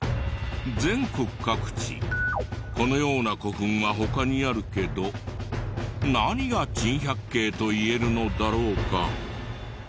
全国各地このような古墳は他にあるけど何が珍百景といえるのだろうか？